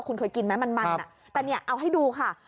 คุณเคยกินไหมมันแต่เนี่ยเอาให้ดูค่ะ